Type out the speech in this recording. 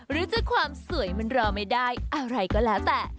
หรือจะความสวยมันรอไม่ได้อะไรก็แล้วแต่